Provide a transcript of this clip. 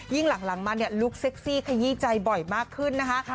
หลังมาเนี่ยลุคเซ็กซี่ขยี้ใจบ่อยมากขึ้นนะคะ